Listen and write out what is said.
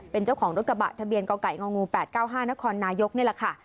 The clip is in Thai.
เป็นเจ้าของรถกระบะทะเบียนเกาะไก่งองงูแปดเก้าห้านครนายกเนี่ยแหละค่ะ